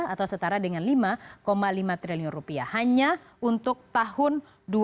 atau setara dengan lima lima triliun rupiah hanya untuk tahun dua ribu dua